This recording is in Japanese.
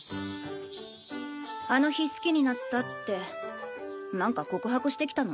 「あの日好きになった」ってなんか告白してきたの。